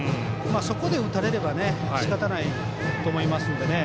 そこで打たれればしかたないと思いますので。